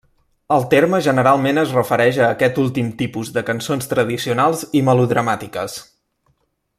El terme generalment es refereix a aquest últim tipus de cançons tradicionals i melodramàtiques.